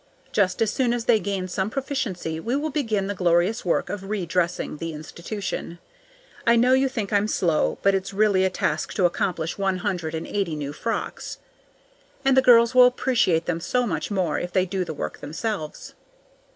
Just as soon as they gain some proficiency we will begin the glorious work of redressing the institution. I know you think I'm slow, but it's really a task to accomplish one hundred and eighty new frocks. And the girls will appreciate them so much more if they do the work themselves.